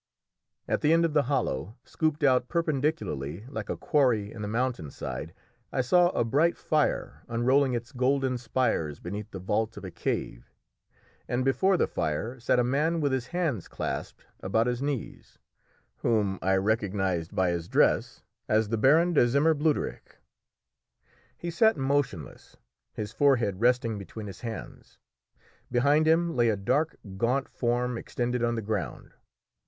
At the end of the hollow, scooped out perpendicularly like a quarry in the mountain side, I saw a bright fire unrolling its golden spires beneath the vault of a cave, and before the fire sat a man with his hands clasped about his knees, whom I recognised by his dress as the Baron de Zimmer Bluderich. He sat motionless, his forehead resting between his hands. Behind him lay a dark gaunt form extended on the ground.